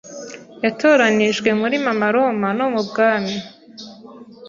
Yatoranijwe muri Mama Roma no mu Bwami